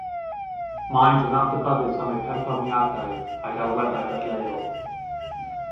Maent yn adnabyddus am eu perfformiadau a'u delweddau dadleuol.